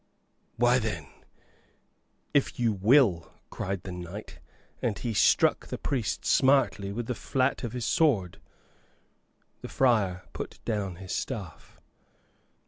"Why, then, if you will," cried the knight, and he struck the priest smartly with the flat of his sword. The friar put down his staff.